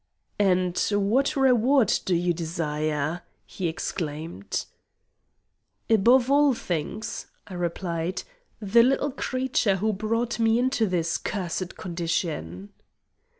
"And what reward do you desire?" he exclaimed. "Above all things," I replied, "the little creature who brought me into this cursed condition."